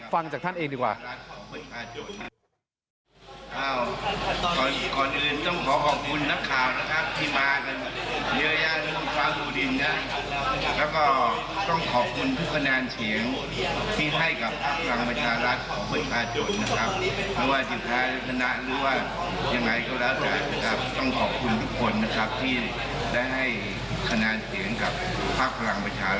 ฟังจากท่านเองดีกว่า